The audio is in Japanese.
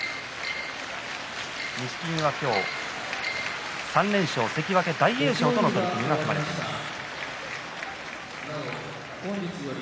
錦木は今日３連勝、関脇大栄翔との取組が組まれています。